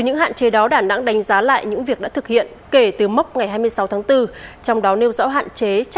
nhưng có cách thứ hai nữa